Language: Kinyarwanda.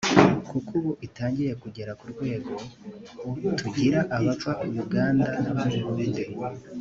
kuko ubu itangiye kugera ku rwego tugira abava Uganda n’u Burundi